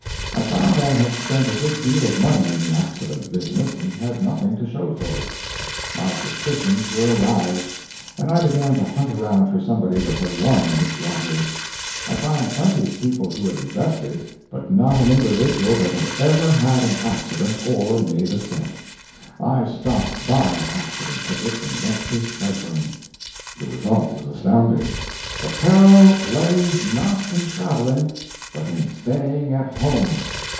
I found I had spent a good deal of money in the accident business, and had nothing to show for it. My suspicions were aroused, and I began to hunt around for somebody that had won in this lottery. I found plenty of people who had invested, but not an individual that had ever had an accident or made a cent. I stopped buying accident tickets and went to ciphering. The result was astounding. 'THE PERIL LAY NOT IN TRAVELLING, BUT IN STAYING AT HOME.